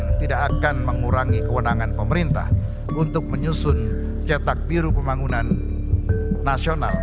pemerintah tidak akan mengurangi kewenangan pemerintah untuk menyusun cetak biru pembangunan nasional